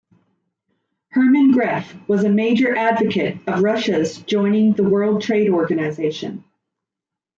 Herman Gref was a major advocate of Russia's joining the World Trade Organisation.